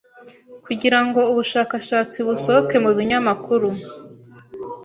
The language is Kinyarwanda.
Kugira ngo ubushakashatsi busohoke mu binyamakuru